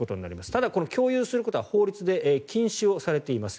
ただ、この共有することは法律で禁止されています。